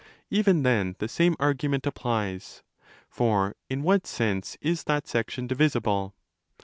Even then the same* argument applies. For in what sense is that section divisible?